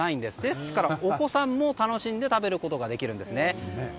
ですからお子さんも楽しんで食べることができるんですね。